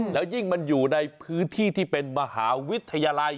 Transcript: แล้วยิ่งมันอยู่ในพื้นที่ที่เป็นมหาวิทยาลัย